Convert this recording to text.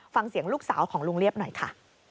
ฟังเสียงลูกสาวของลุงเรียบหน่อยค่ะ